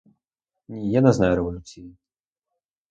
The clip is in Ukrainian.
Ні, я не знаю революції!